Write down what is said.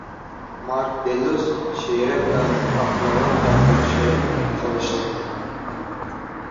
Mark Deluz she’ri bilan Pahlavon Daho she’rini solishtirdi.